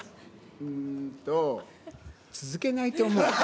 うーんと、続けないと思う。